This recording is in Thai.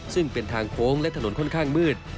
ซึ่งเป็นทางโค้งและถนนค่อนข้างมืด